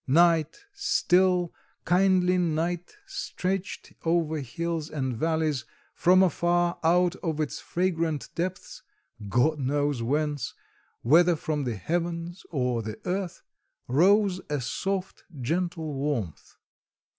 Night, still, kindly night stretched over hills and valleys; from afar, out of its fragrant depths God knows whence whether from the heavens or the earth rose a soft, gentle warmth.